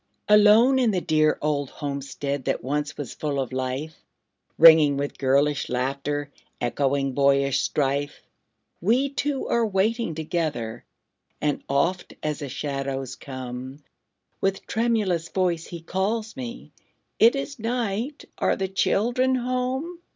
Alone in the dear old homestead That once was full of life, Ringing with girlish laughter, Echoing boyish strife, We two are waiting together; And oft, as the shadows come, With tremulous voice he calls me, "It is night! are the children home?"